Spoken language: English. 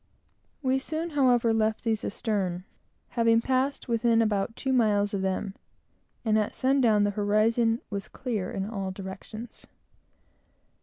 We soon, however, left these astern, having passed within about two miles of them; and at sundown the horizon was clear in all directions.